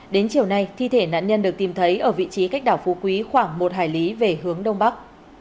đến chiều nay thi thể nạn nhân được tìm thấy ở vị trí cách đảo phú quý khoảng một hải lý về hướng đông bắc